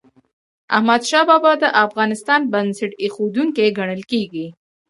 احمدشاه بابا د افغانستان بنسټ ايښودونکی ګڼل کېږي.